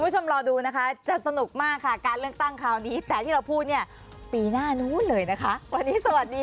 โปรดติดตามตอนต่อไป